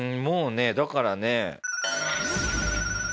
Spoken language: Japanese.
もうねだからね。